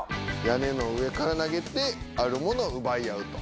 屋根の上から投げてある物を奪い合うと。